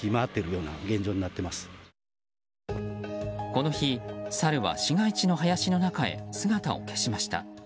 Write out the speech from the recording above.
この日、サルは市街地の林の中へ姿を消しました。